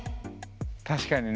確かにね。